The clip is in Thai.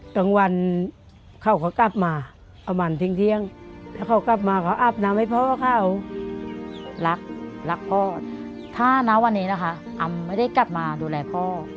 ถ้าน้ำวันนี้นะคะอำไม่ได้กลับมาดูแลพ่อ